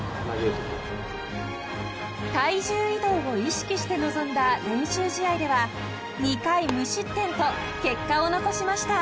［体重移動を意識して臨んだ練習試合では２回無失点と結果を残しました］